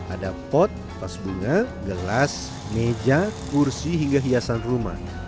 ada pot tas bunga gelas meja kursi hingga hiasan rumah